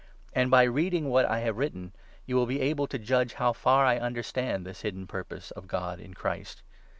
And, by reading what I 4 have written, you will be able to judge how far I understand this hidden purpose of God in Christ.